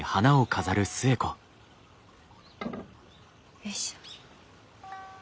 よいしょ。